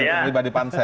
yang pribadi pansel